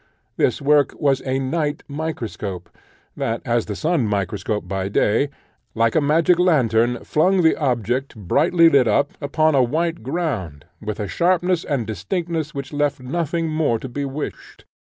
This work was a night microscope, that, as the sun microscope by day, like a magic lantern, flung the object, brightly lit up, upon a white ground, with a sharpness and distinctness which left nothing more to be wished.